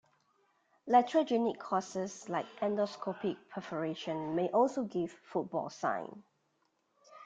Iatrogenic causes like endoscopic perforation may also give football sign.